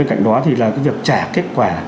bên cạnh đó thì là việc trả kết quả